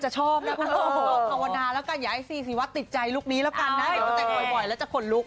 เข้าโฌนาแล้วกันอย่ากันให้ซีซีวัดติดใจลุคนี้ละกันนะเดี๋ยวก็แตก่อยแล้วก็เผ่นลุค